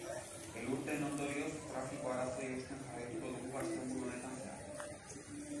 Elurteen ondorioz, trafiko-arazoei eusten jarraituko dugu asteburu honetan zehar.